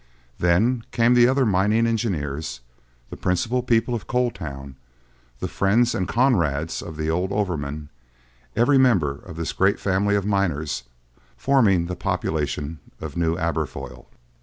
Then came the other mining engineers, the principal people of Coal Town, the friends and comrades of the old overman—every member of this great family of miners forming the population of New Aberfoyle.